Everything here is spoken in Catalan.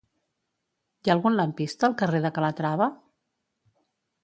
Hi ha algun lampista al carrer de Calatrava?